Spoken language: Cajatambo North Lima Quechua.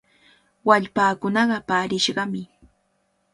Wallpaakunaqa paarishqami.